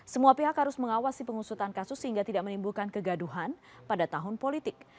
semua pihak harus mengawasi pengusutan kasus sehingga tidak menimbulkan kegaduhan pada tahun politik